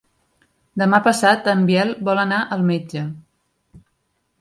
Demà passat en Biel vol anar al metge.